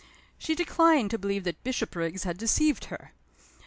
She declined to believe that Bishopriggs had deceived her.